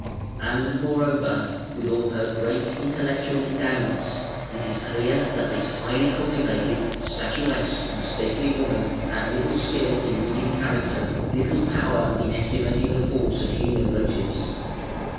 And, moreover, with all her great intellectual endowments, it is clear that this highly cultivated, statuesque, and stately woman had little skill in reading character, little power in estimating the force of human motives.